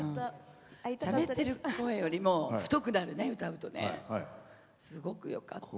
しゃべってる声よりも太くなるね歌うとね、すごくよかった。